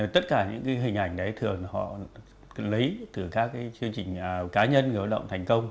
tất cả những hình ảnh đấy thường họ lấy từ các chương trình cá nhân người lao động thành công